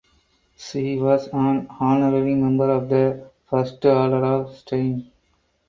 She was an honorary member of the first order of St.